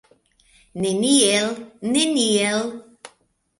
Neniel, neniel!